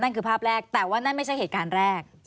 คือภาพแรกแต่ว่านั่นไม่ใช่เหตุการณ์แรก